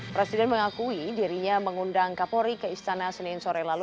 presiden mengakui dirinya mengundang kapolri ke istana senin sore lalu